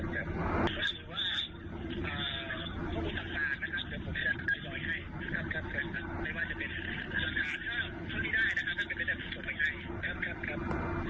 ครับครับครับ